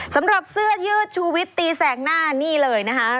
สำหรับเสื้อยืดชูวิตตีแสกหน้านี่เลยนะคะ